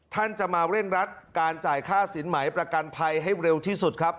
ท่านจะมาเร่งรัดการจ่ายค่าสินไหมประกันภัยให้เร็วที่สุดครับ